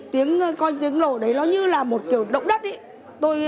tiếng coi tiếng nổ đấy nó như là một kiểu động đất ý